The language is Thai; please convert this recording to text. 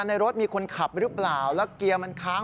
ในรถมีคนขับหรือเปล่าแล้วเกียร์มันค้าง